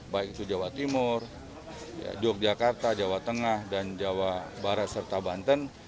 baik itu jawa timur yogyakarta jawa tengah dan jawa barat serta banten